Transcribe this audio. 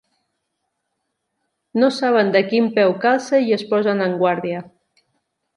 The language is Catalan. No saben de quin peu calça i es posen en guàrdia.